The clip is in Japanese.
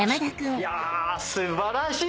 いや素晴らしい。